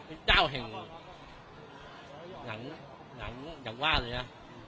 เป็นเจ้าเห็งอังวะเรือ